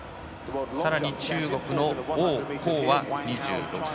さらに中国の王浩、２６歳。